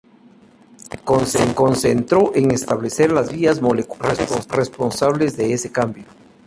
Se concentró en establecer las vías moleculares responsables de ese cambio.